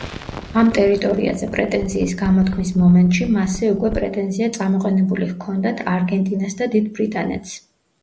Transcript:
ამ ტერიტორიაზე პრეტენზიის გამოთქმის მომენტში მასზე უკვე პრეტენზია წამოყენებული ჰქონდათ არგენტინას და დიდ ბრიტანეთს.